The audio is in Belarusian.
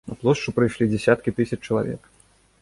На плошчу прыйшлі дзясяткі тысяч чалавек.